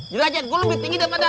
jelajah gua lebih tinggi daripada lu